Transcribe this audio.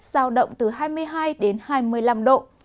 giao động từ hai mươi hai đến hai mươi năm độ